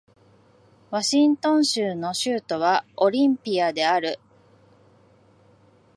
ワシントン州の州都はオリンピアである